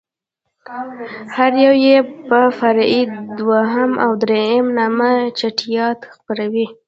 هر يو يې په فرعي دوهم او درېم نامه چټياټ خپروي.